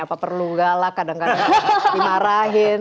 apa perlu galak kadang kadang dimarahin